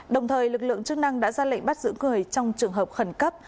đồng thời lực lượng chức năng đã ra lệnh bắt giữ người trong trường hợp khẩn cấp